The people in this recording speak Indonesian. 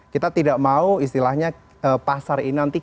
kita tidak mau istilahnya pasar ini nanti